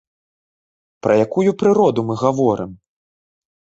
Пра якую прыроду мы гаворым?